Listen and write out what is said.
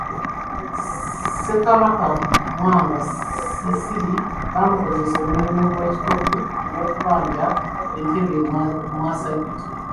Ssekabaka Mwanga Ssisiri baamukozesa omulimu gy’ekikopi gw'okubajja ntebe mwasajjute.